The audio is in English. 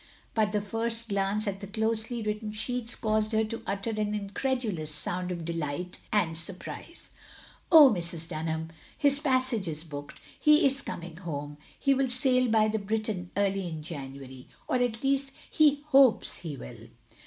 But the first glance at the closely written sheets caused her to utter an incredulous sound of delight and surprise. "Oh, Mrs. Dimham! His passage is booked. He is coming home! He will sail by the Briton early in January, or at least he hopes he will."